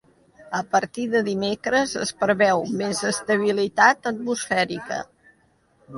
A partir de dimecres es preveu més estabilitat atmosfèrica.